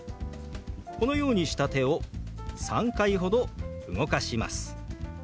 このようにした手を３回ほど動かします。